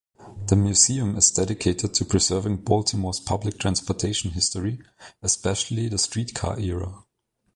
The museum is dedicated to preserving Baltimore's public transportation history, especially the streetcar era.